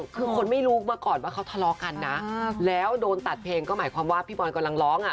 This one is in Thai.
คือคนไม่รู้มาก่อนว่าเขาทะเลาะกันนะแล้วโดนตัดเพลงก็หมายความว่าพี่บอลกำลังร้องอ่ะ